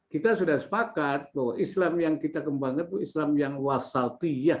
kita sudah sepakat bahwa islam yang kita kembangkan itu islam yang wasatiyah